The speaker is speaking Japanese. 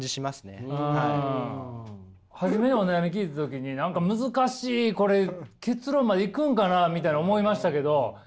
初めお悩み聞いた時に何か難しいこれ結論までいくんかなみたいな思いましたけどいきましたね。